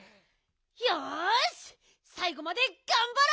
よしさいごまでがんばろう！